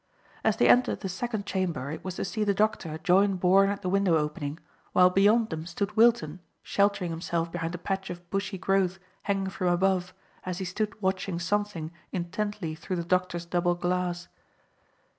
As they entered the second chamber it was to see the doctor join Bourne at the window opening, while beyond them stood Wilton sheltering himself behind a patch of bushy growth hanging from above, as he stood watching something intently through the doctor's double glass.